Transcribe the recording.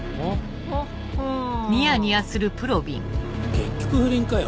結局不倫かよ。